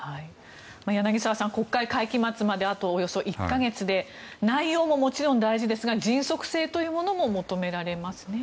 柳澤さん、国会会期末まであとおよそ１か月で内容ももちろん大事ですが迅速性というものも求められますよね。